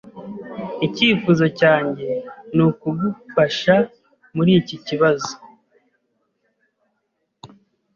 Icyifuzo cyanjye nukugufasha muriki kibazo.